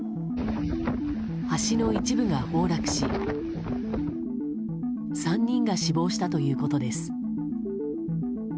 橋の一部が崩落し３人が死亡したということです。